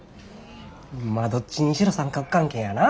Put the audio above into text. まあどっちにしろ三角関係やな。